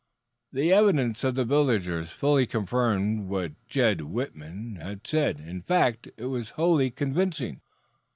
The evidence of the villagers fully confirmed what Jed Whitman had said; in fact, it was wholly convincing.